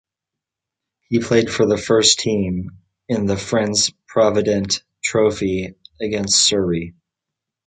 He played for the first team in the Friends Provident Trophy against Surrey.